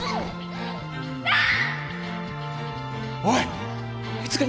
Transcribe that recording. おい！